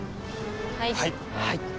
はい。